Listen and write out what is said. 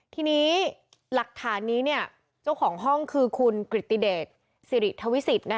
ที่นี้หลักฐานแหล่ะของห้องคือคุณกระติดเตศศิริฐวิสิต